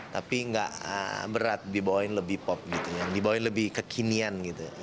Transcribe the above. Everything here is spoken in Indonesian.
tapi tidak berat dibawain lebih pop dibawain lebih kekinian